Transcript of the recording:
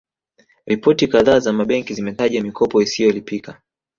Ripoti kadhaa za mabenki zimetaja mikopo isiyolipika